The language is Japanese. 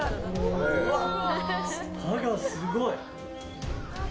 歯がすごい。